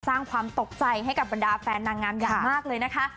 สร้างความตกใจให้กับบรรดาแฟนนางงามอย่างมากเลยนะคะ